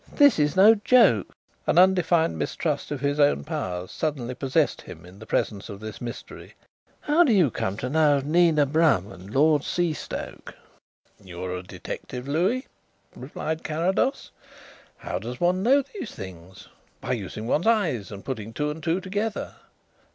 "This is no joke." An undefined mistrust of his own powers suddenly possessed him in the presence of this mystery. "How do you come to know of Nina Brun and Lord Seastoke?" "You are a detective, Louis," replied Carrados. "How does one know these things? By using one's eyes and putting two and two together."